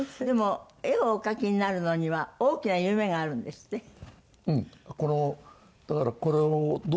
でも絵をお描きになるのには大きな夢があるんですって？